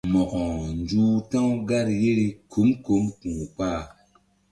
Mo̧ko nzuh ta̧w gar yeri kum kum ku̧ kpah.